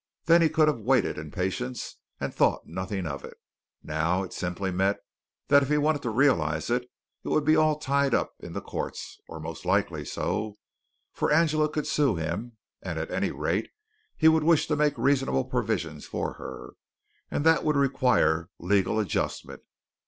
Then he could have waited in patience and thought nothing of it. Now it simply meant that if he wanted to realize it, it would all be tied up in the courts, or most likely so, for Angela could sue him; and at any rate he would wish to make reasonable provision for her, and that would require legal adjustment.